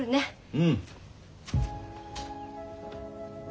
うん。